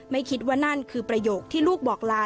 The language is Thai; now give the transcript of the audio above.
ไม่คิดว่านั่นคือประโยคที่ลูกบอกลา